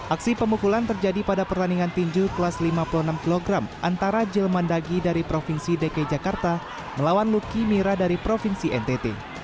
aksi pemukulan terjadi pada pertandingan tinju kelas lima puluh enam kg antara jelmandagi dari provinsi dki jakarta melawan lucky mira dari provinsi ntt